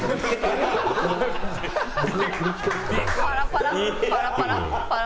パラパラ？